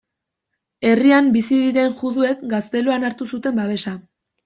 Herrian bizi ziren juduek gazteluan hartu zuten babesa.